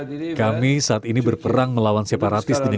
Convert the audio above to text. jika kami sedang berjuang bersama terorisme